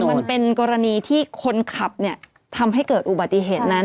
มันเป็นกรณีที่คนขับทำให้เกิดอุบัติเหตุนั้น